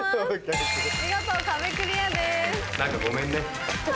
見事壁クリアです。